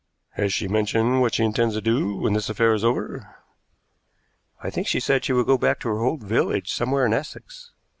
"Has she mentioned what she intends to do when this affair is over?" "I think she said she would go back to her old village somewhere in Essex."